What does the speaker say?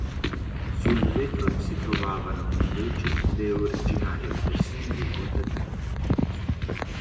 Sul retro si trovavano invece le originarie abitazioni dei contadini.